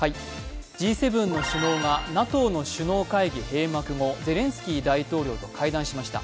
Ｇ７の首脳がＮＡＴＯの首脳会議閉幕後、ゼレンスキー大統領と会談しました。